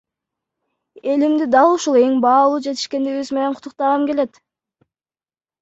Элимди дал ушул эң баалуу жетишкендигибиз менен куттуктагым келет!